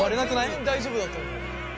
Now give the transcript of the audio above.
全然大丈夫だと思う。